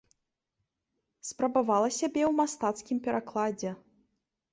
Спрабавала сябе ў мастацкім перакладзе.